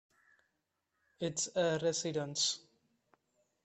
It's a Residence.